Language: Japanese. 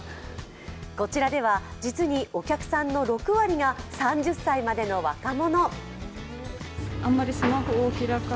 こちらでは、実にお客さんの６割が３０歳までの若者。